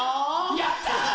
やった！